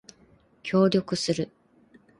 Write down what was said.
協力する